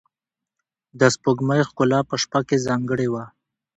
د سپوږمۍ ښکلا په شپه کې ځانګړې وه.